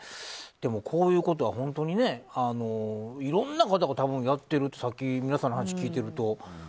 でもこういうことは、本当にいろんな方がやってるって皆さんの話を聞いてると。